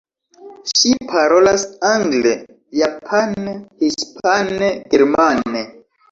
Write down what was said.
Ŝi parolas angle, japane, hispane, germane.